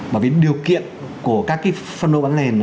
bởi vì điều kiện của các cái phân lô bán nền